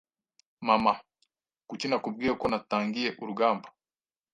Mama! Kuki nakubwiye ko natangiye urugamba